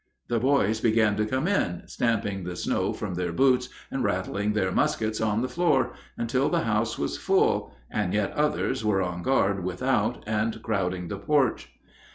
The boys began to come in, stamping the snow from their boots and rattling their muskets on the floor, until the house was full, and yet others were on guard without and crowding the porch.